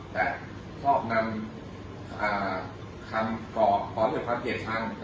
แต่ชอบนำคำกรอบขอเหลือความเกียจชั้น